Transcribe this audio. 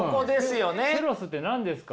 テロスって何ですか？